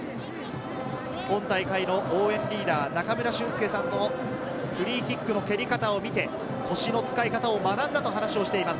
今大会の応援リーダー・中村俊輔さんのフリーキックの蹴り方を見て、腰の使い方を学んだと話をしています。